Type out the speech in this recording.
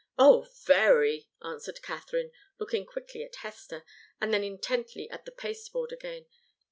"Oh, very!" answered Katharine, looking quickly at Hester and then intently at the pasteboard again.